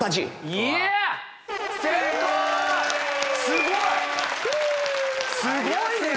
すごいね！